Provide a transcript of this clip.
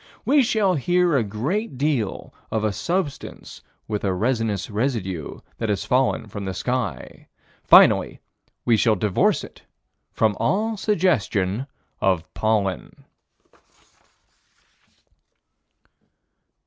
We shall hear a great deal of a substance with a resinous residue that has fallen from the sky: finally we shall divorce it from all suggestion of pollen.